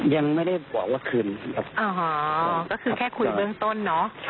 ยังไม่ได้บอกว่าคืนครับอ๋อก็คือแค่คุยเบื้องต้นเนอะ